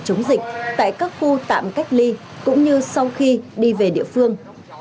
chống dịch tại các khu tạm cách ly cũng như sau khi đi về địa phương